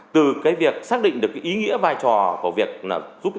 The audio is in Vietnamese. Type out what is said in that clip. từ cái việc xác định được ý nghĩa vai trò của việc rút thẻ bảng này